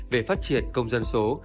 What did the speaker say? về phát triển công dân số